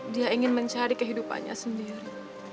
dia ingin mencari kehidupannya sendiri